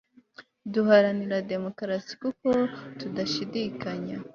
duharanira demokarasi kuko tudashidikanya